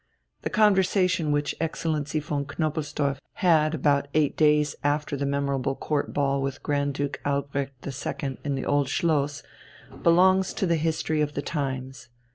The conversation which Excellency von Knobelsdorff had about eight days after the memorable Court Ball with Grand Duke Albrecht II in the Old Schloss belongs to the history of the times.